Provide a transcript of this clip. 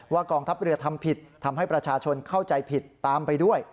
กองทัพเรือทำผิดทำให้ประชาชนเข้าใจผิดตามไปด้วย